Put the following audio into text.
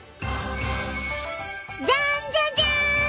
じゃんじゃじゃん！